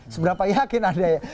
seberapa yakin anda ya